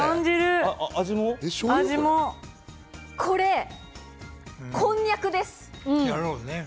これ、こんにゃくです。